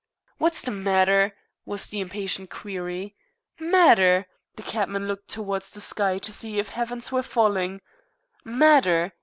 "What's the matter?" was the impatient query. "Matter!" The cabman looked towards the sky to see if the heavens were falling. "Matter!"